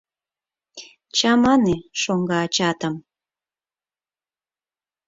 Чамане шоҥго ачатым!..